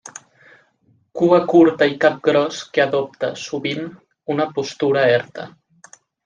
Cua curta i cap gros que adopta, sovint, una postura erta.